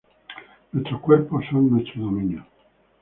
Nuestros cuerpos son nuestro dominio.